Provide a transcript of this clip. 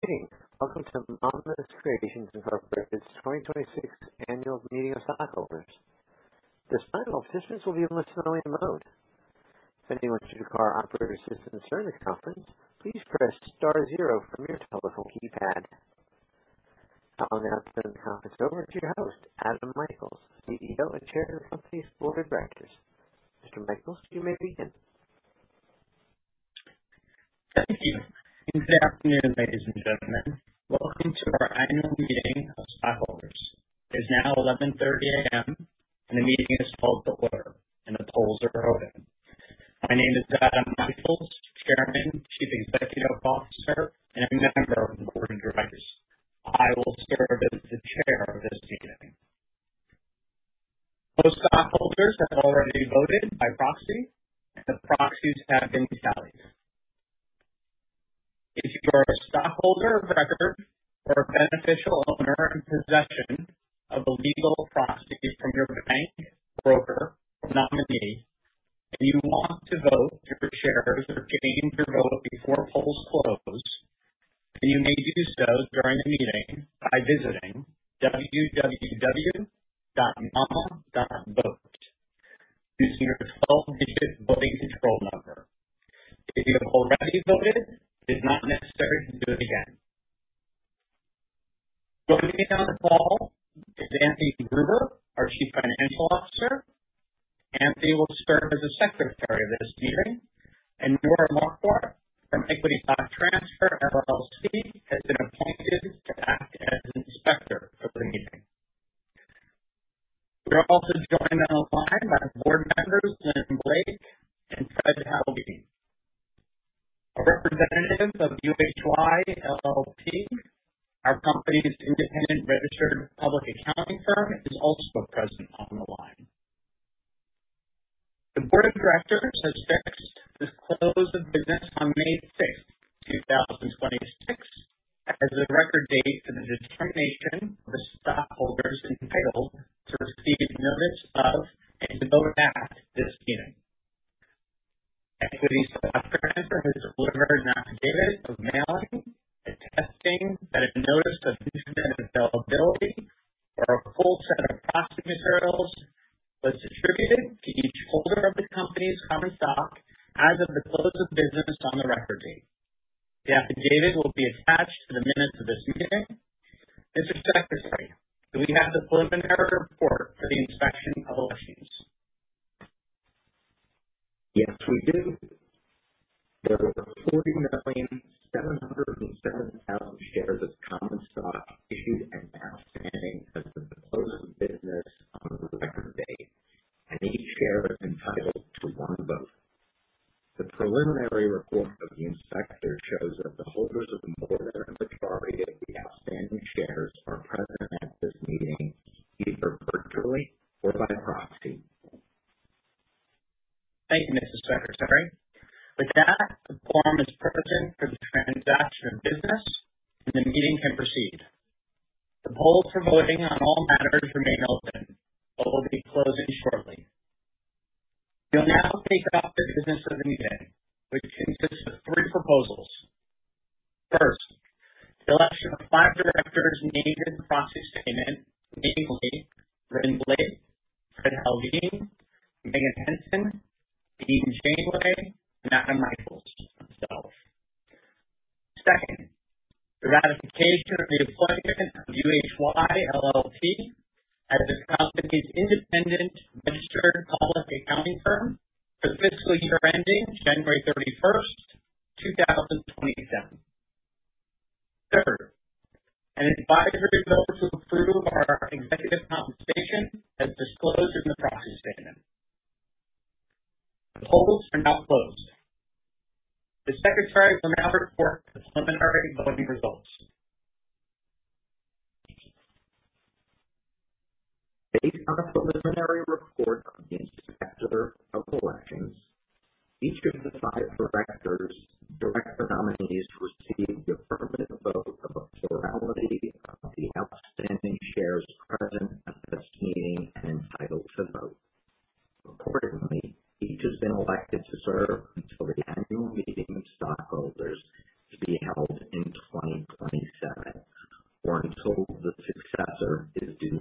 Good evening. Welcome to Mama's Creations Incorporated's 2026 Annual Meeting of Stockholders. This title officially will be in listening mode. If anyone should require operator assistance during the conference, please press star zero from your telephone keypad. I'll now turn the conference over to your host, Adam Michaels, CEO and chair of the company's board of directors. Mr. Michaels, you may begin. Thank you. Good afternoon, ladies and gentlemen. Welcome to our annual meeting of stockholders. It is now 11:30 A.M., and the meeting is called to order, and the polls are open. My name is Adam Michaels, Chairman, Chief Executive Officer, and member of the board of directors. I will serve as the chair of this meeting. Most stockholders have already voted by proxy, and the proxies have been tallied. If you are a stockholder of record or a beneficial owner in possession of a legal proxy from your bank, broker, or nominee, and you want to vote your shares or change your vote before polls close, then you may do so during the meeting by visiting www.mama.vote using your 12-digit voting control number. If you have already voted, it is not necessary to do it again. Joining me on the call is Anthony Gruber, our Chief Financial Officer. Anthony will serve as the secretary of this meeting. Nora Marquart from Equiniti Trust Company, LLC has been appointed to act as inspector of the meeting. We are also joined online by board members Lynn Blake and Fred Haldeen. A representative of UHY LLP, our company's independent registered public accounting firm, is also present on the line. The board of directors has fixed the close of business on May 6th, 2026, as the record date for the determination of the stockholders entitled to receive notice of and to vote at this meeting. Equiniti Trust Company, LLC has delivered an affidavit of mailing, attesting that a notice of internet availability or a full set of proxy materials was distributed to each holder of the company's common stock as of the close of business on the record date. The affidavit will be attached to the minutes of this meeting. Mr. Secretary, do we have the preliminary report for the inspection of elections? Yes, we do. There were 14,707,000 shares of common stock issued and outstanding as of the close of business on the record date, and each share is entitled to one vote. The preliminary report of the inspector shows that the holders of more than a majority of the outstanding shares are present at this meeting, either virtually or by proxy. Thank you, Mr. Secretary. With that, the quorum is present for the transaction of business, and the meeting can proceed. The polls for voting on all matters remain open but will be closing shortly. We'll now take up the business of the meeting, which consists of three proposals. First, the election of five directors named in the proxy statement, namely Lynn Blake, Fred Haldeen, Meghan Henson, Dean Janeway, and Adam Michaels, myself. Second, the ratification of the appointment of UHY LLP as the company's independent registered public accounting firm for the fiscal year ending January 31st, 2027. Third, an advisory vote to approve our executive compensation as disclosed in the proxy statement. The polls are now closed. The secretary will now report the preliminary voting results. Based on the preliminary report of the inspector of elections, each of the five director nominees received affirmative votes of a plurality of the outstanding shares present at this meeting and entitled to vote. Accordingly, each has been elected to serve until the annual meeting of stockholders to be held in 2027 or until the successor is due.